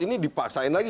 ini dipaksain lagi